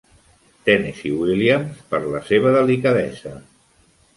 Tennessee Williams, per la seva delicadesa.